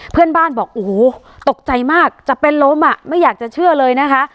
เพื่อนบ้านบอกโอ้โหตกใจมากจะเป็นลมอ่ะไม่อยากจะเชื่อเลยนะคะ